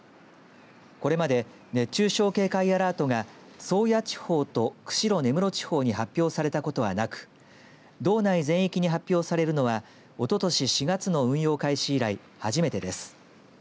これまで熱中症警戒アラートが宗谷地方と釧路・根室地方に発表されたことはなく道内全域に発表されるのはおととし４月の運用開始以来初めてです。